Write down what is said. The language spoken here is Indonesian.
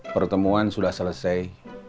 pertemuan sudah selesai